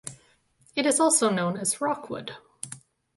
It is also known as Rockwood.